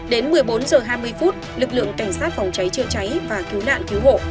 đến một mươi bốn h hai mươi phút lực lượng cảnh sát phòng cháy chữa cháy và cứu nạn cứu hộ